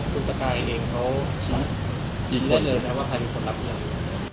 คุณสกายเองเขายินได้เลยนะว่าใครเป็นคนรับเวลา